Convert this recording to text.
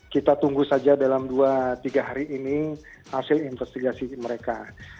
kita tunggu saja dalam dua tiga hari ini hasil investigasi mereka